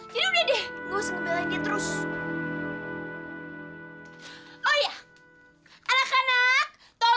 jadi udah deh gak usah ngebelain dia terus